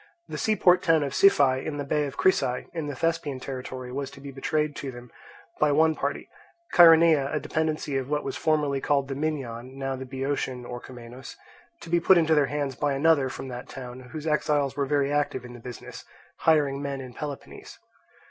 The seaport town of Siphae, in the bay of Crisae, in the Thespian territory, was to be betrayed to them by one party; Chaeronea (a dependency of what was formerly called the Minyan, now the Boeotian, Orchomenus) to be put into their hands by another from that town, whose exiles were very active in the business, hiring men in Peloponnese.